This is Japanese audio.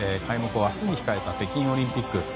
開幕を明日に控えた北京オリンピック。